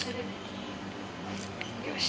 よし。